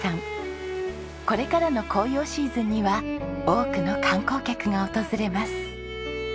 これからの紅葉シーズンには多くの観光客が訪れます。